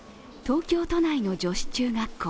東京都内の女子中学校。